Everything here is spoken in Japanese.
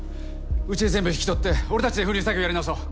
うちで全部引き取って俺たちで封入作業をやり直そう。